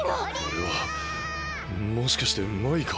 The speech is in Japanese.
あれはもしかしてマイカ？